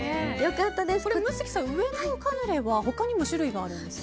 夢月さん、上のカヌレは他にも種類があるんですか？